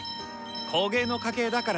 工芸の家系だから。